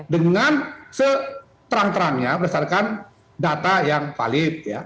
dengan seterang terangnya berdasarkan data yang valid